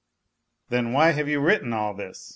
" Then why have you written all this ?